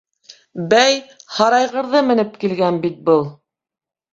Бәй! һарайғырҙы менеп килгән бит был!